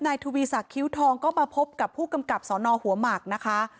ทวีศักดิ้วทองก็มาพบกับผู้กำกับสนหัวหมากนะคะ